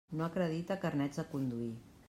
No acredita carnets de conduir.